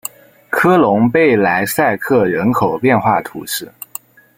科隆贝莱塞克人口变化图示